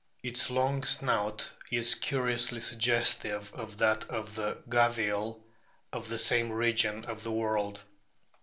Its long snout is curiously suggestive of that of the Gavial of the same region of the world.